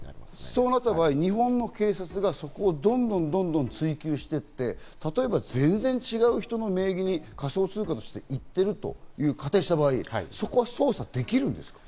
そうなった場合、日本の警察がどんどんそこを追求していって例えば全然違う人の名義に仮想通貨として行っていると仮定した場合、そこは捜査できるんですか？